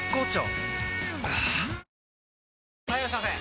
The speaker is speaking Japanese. はぁ・はいいらっしゃいませ！